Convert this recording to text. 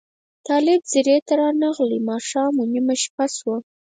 طالب ځیري ته رانغلې ماښام و نیمه شپه شوه